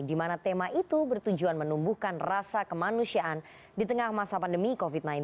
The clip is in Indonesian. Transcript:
di mana tema itu bertujuan menumbuhkan rasa kemanusiaan di tengah masa pandemi covid sembilan belas